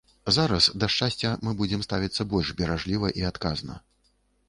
Зараз да шчасця мы будзем ставіцца больш беражліва і адказна.